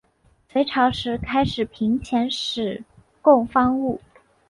隋朝时开始频遣使贡方物。